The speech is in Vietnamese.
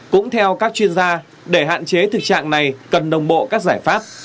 cũng theo các chuyên gia để hạn chế thực trạng này cần đồng bộ các giải pháp